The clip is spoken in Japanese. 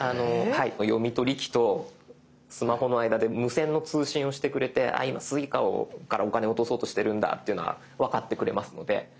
読み取り機とスマホの間で無線の通信をしてくれて今Ｓｕｉｃａからお金を落とそうとしてるんだっていうのは分かってくれますので。